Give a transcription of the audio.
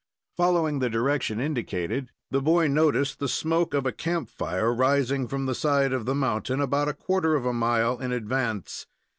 Following the direction indicated, the boy noticed the smoke of a camp fire rising from the side of the mountain, about a quarter of a mile in advance.